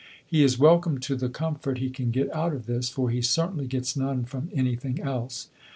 He is welcome to the comfort he can get out of this, for he certainly gets none from anything else.